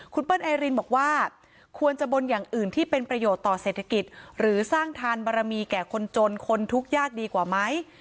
คุณเปิ้ลไอรินบอกว่าควรจะบนอย่างอื่นที่เป็นประโยชน์ต่อเศรษฐกิจหรือสร้างทานบารมีแก่คนจนคนทุกข์ยากดีกว่าไหม